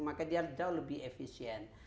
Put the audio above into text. maka dia jauh lebih efisien